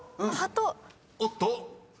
［おっと？］